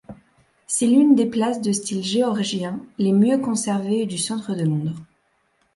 C’est l’une des places de style georgien les mieux conservées du centre de Londres.